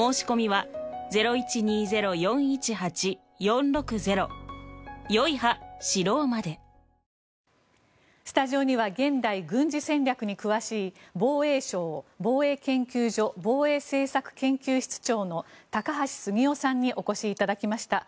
そして今予備役が十分な訓練を受けずスタジオには現代軍事戦略に詳しい防衛省防衛研究所防衛政策研究室長の高橋杉雄さんにお越しいただきました。